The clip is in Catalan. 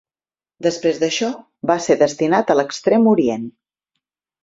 Després d'això va ser destinat a l'Extrem Orient.